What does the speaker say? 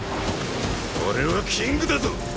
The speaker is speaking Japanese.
俺はキングだぞ！